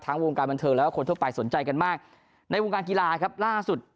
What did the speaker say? วงการบันเทิงแล้วก็คนทั่วไปสนใจกันมากในวงการกีฬาครับล่าสุด